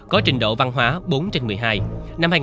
có trình độ văn hóa bốn trên một mươi hai